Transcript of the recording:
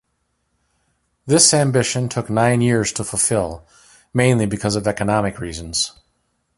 This ambition took nine years to fulfill, mainly because of economic reasons.